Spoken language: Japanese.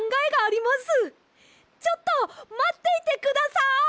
ちょっとまっていてください。